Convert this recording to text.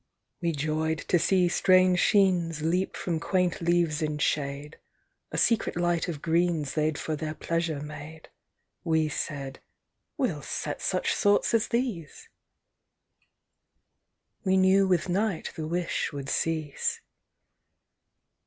We joyed to see strange sheens Leap from quaint leaves in shade; A secret light of greens They'd for their pleasure made. We said: "We'll set such sorts as these!" —We knew with night the wish would cease.